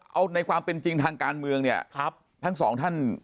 เอาในความเป็นจริงทางการเมืองเนี่ยครับทั้งสองท่าน